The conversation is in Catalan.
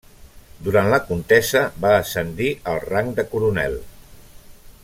Durant la contesa va ascendir al rang de coronel.